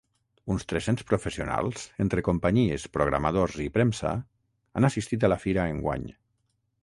Uns tres-cents professionals, entre companyies, programadors i premsa, han assistit a la fira enguany.